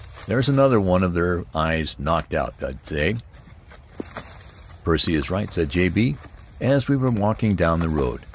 'There's another one of their eyes knocked out,' they say." "Percy is right," said J. B. as we were walking down the road.